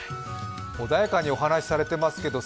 穏やかにお話しされてますけど